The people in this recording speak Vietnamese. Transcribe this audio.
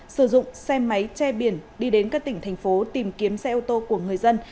sử dụng xe máy che biển đi đến các tỉnh thành phố tìm kiếm xe ô tô của người dân